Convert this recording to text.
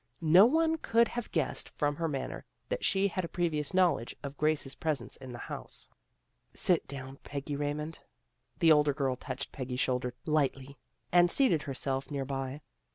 No one could have guessed from her manner that she had a previous knowledge of Grace's presence in the house. 294 THE GIRLS OF FRIENDLY TERRACE " Sit down, Peggy Raymond." The older girl touched Peggy's shoulder lightly, and seated herself near by.